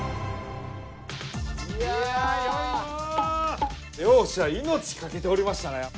いや。両者命かけておりましたな。